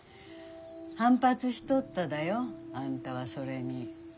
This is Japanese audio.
反発しとっただよあんたはそれに。